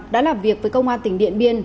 đã làm việc với công an tỉnh điện biên